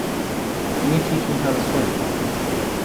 Can you teach me how to swim?